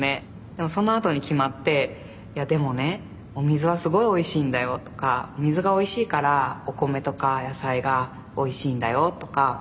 でもそのあとに決まって「いやでもねお水はすごいおいしいんだよ」とか「お水がおいしいからお米とか野菜がおいしいんだよ」とか。